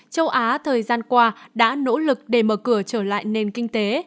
châu á thời gian qua đã nỗ lực để mở cửa trở lại nền kinh tế